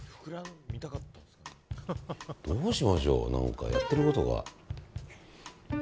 どうしましょう何かやってることが。